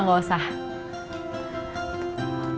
nggak usah nggak usah